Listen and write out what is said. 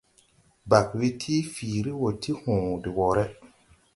Bag we ti fiiri wo ti hõõ de woore.